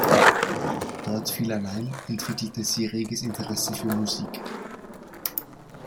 Dort viel allein, entwickelte sie reges Interesse für Musik.